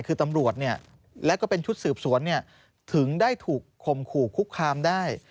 คือตำรวจและก็เป็นชุดสืบสวนถึงได้ถูกคมขู่คุกคามได้